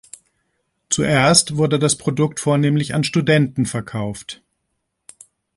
Zuerst wurde das Produkt vornehmlich an Studenten verkauft.